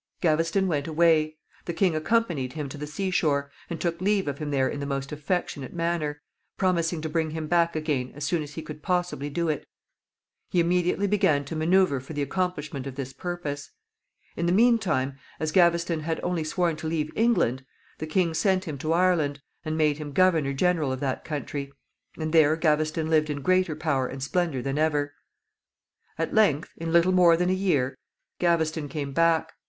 Gaveston went away. The king accompanied him to the sea shore, and took leave of him there in the most affectionate manner, promising to bring him back again as soon as he could possibly do it. He immediately began to manoeuvre for the accomplishment of this purpose. In the mean time, as Gaveston had only sworn to leave England, the king sent him to Ireland, and made him governor general of that country, and there Gaveston lived in greater power and splendor than ever. At length, in little more than a year, Gaveston came back.